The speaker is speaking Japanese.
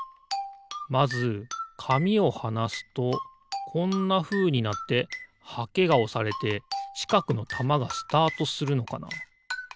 まずかみをはなすとこんなふうになってはけがおされてちかくのたまがスタートするのかな？